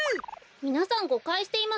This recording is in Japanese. みなさんごかいしていませんか？